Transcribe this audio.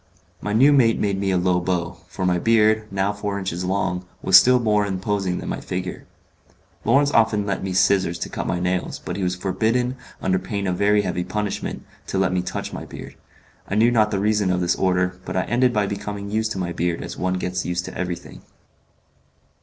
My new mate made me a low bow, for my beard, now four inches long, was still more imposing than my figure. Lawrence often lent me scissors to cut my nails, but he was forbidden, under pain of very heavy punishment, to let me touch my beard. I knew not the reason of this order, but I ended by becoming used to my beard as one gets used to everything.